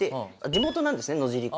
地元なんですね野尻湖が。